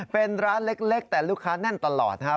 เป็นร้านเล็กแต่ลูกค้าแน่นตลอดนะครับ